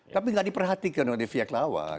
tapi tidak diperhatikan oleh pihak lawan